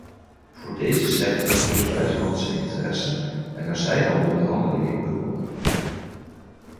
Voor deze sector is buitenlandse interesse en er zijn al onderhandelingen begonnen.